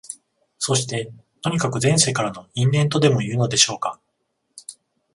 そして、とにかく前世からの因縁とでもいうのでしょうか、